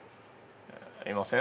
いません？